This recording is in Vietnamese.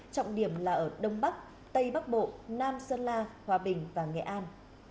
trọng điểm là ở đông bắc tây bắc bộ nam sơn la hòa bình và nghệ an